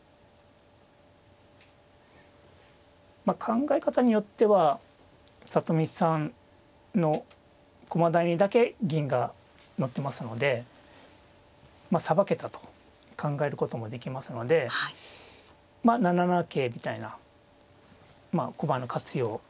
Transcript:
まあ考え方によっては里見さんの駒台にだけ銀が載ってますのでさばけたと考えることもできますのでまあ７七桂みたいな駒の活用